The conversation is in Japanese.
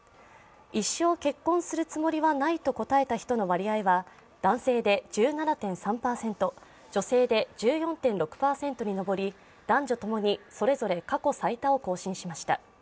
一生結婚するつもりはないと答えた人の割合は男性で１７．３％女性で１４．６％に上り男女共にそれぞれ過去最多を更新しました。